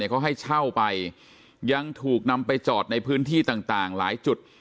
เขาให้เช่าไปยังถูกนำไปจอดในพื้นที่ต่างหลายจุด